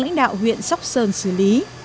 lãnh đạo huyện sóc sơn xử lý